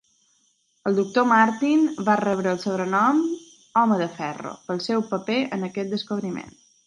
El doctor Martin va rebre el sobrenom "Home de Ferro" pel seu paper en aquest descobriment.